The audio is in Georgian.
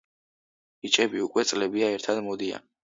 ბიჭები უკვე წლებია, ერთად მოდიან.